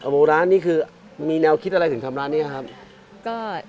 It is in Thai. อันนูร้านนี้คือมีแนวคิดอะไรถึงทำร้านนี้ครับก็